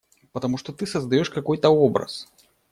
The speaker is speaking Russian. Потому что ты создаешь какой-то образ.